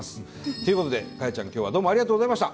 ということで果耶ちゃん今日はどうもありがとうございました！